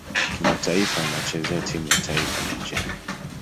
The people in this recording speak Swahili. Kimataifa anachezea timu ya taifa Nigeria.